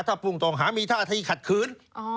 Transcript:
ถ้าผู้ต้องหามีท่าที่ขัดขืน